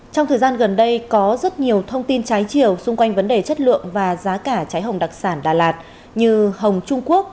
trong thời gian gần đây có rất nhiều thông tin trái chiều xung quanh vấn đề chất lượng và giá cả trái hồng đặc sản đà lạt như hồng trung quốc